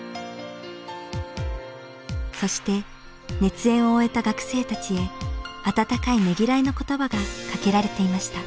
そして熱演を終えた学生たちへ温かいねぎらいの言葉がかけられていました。